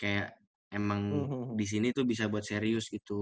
kayak emang disini tuh bisa buat serius gitu